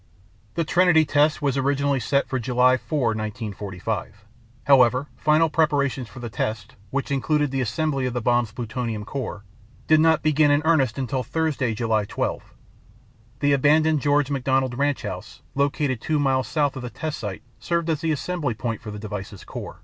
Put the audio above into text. " The Trinity test was originally set for July 4, 1945. However, final preparations for the test, which included the assembly of the bomb's plutonium core, did not begin in earnest until Thursday, July 12. The abandoned George McDonald ranch house located two miles south of the test site served as the assembly point for the device's core.